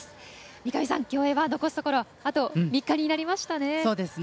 三上さん、競泳は残すところあと３日になりましたね。